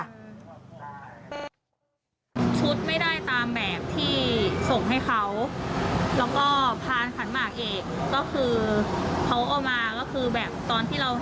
ก็คือแบบตอนที่เราแห่ขาดหมากไปแล้ว